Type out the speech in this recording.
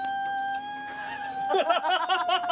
ハハハハハ！